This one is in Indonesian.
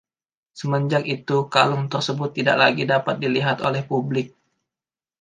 Semenjak itu, kalung tersebut tidak lagi dapat dilihat oleh publik.